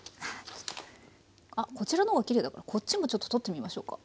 あっこちらの方がきれいだからこっちもちょっと取ってみましょうか？